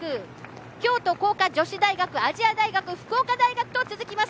京都光華女子大学亜細亜大学、福岡大学と続きます